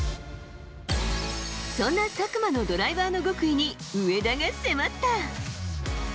そんな佐久間のドライバーの極意に、上田が迫った。